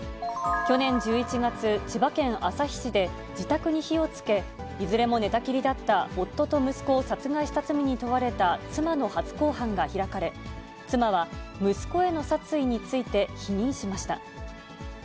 去年１１月、千葉県旭市で自宅に火をつけ、いずれも寝たきりだった夫と息子を殺害した罪に問われた妻の初公判が開かれ、妻は息子への殺意について否認しました。